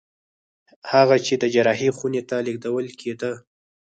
هغه چې د جراحي خونې ته لېږدول کېده